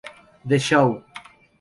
The Show.